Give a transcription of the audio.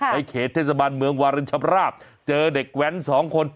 เขตเทศบาลเมืองวารินชำราบเจอเด็กแว้นสองคน